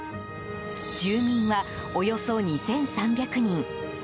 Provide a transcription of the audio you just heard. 住民は、およそ２３００人。